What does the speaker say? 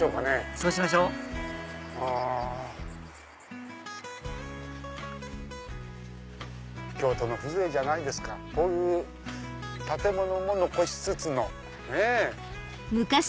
そうしましょ京都の風情じゃないですかこういう建物も残しつつ。